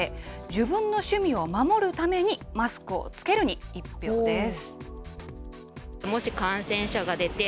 自分の趣味を守るために、マスクを着けるに１票です。